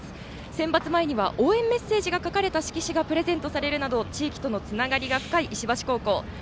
センバツ前には応援メッセージが書かれた色紙がプレゼントされるなど地域とのつながりが深い石橋高校。